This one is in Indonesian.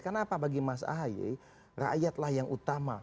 karena apa bagi mas ahy rakyatlah yang utama